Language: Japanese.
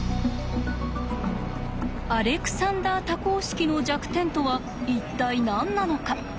アレクサンダー多項式の弱点とは一体何なのか？